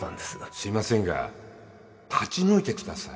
すいませんが立ち退いてください